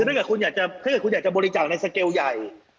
ถ้าคุณอยากจะบริจาคในสเกลใหญ่